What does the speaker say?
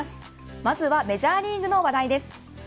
まずはメジャーリーグの話題です。